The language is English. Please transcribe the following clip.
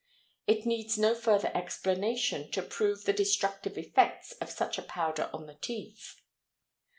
It needs no further explanation to prove the destructive effects of such a powder on the teeth.